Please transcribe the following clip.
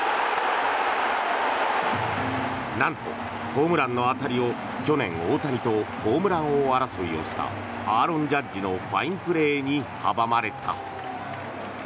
なんと、ホームランの当たりを去年、大谷とホームラン争いをしたアーロン・ジャッジのファインプレーに阻まれた。